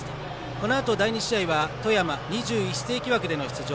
このあと第２試合は富山２１世紀枠での出場